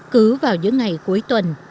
cứ vào những ngày cuối tuần